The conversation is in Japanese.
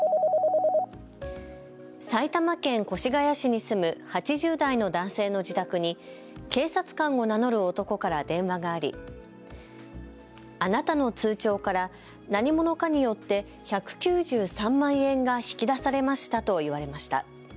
埼玉県越谷市に住む８０代の男性の自宅に警察官を名乗る男から電話がありあなたの通帳から何者かによって１９３万円が引き出されましたと言われました。